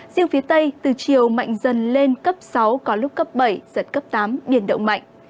riêng phía tây từ chiều mạnh dần lên cấp sáu có lúc cấp bảy giật cấp tám biển động mạnh